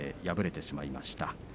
敗れてしまいました。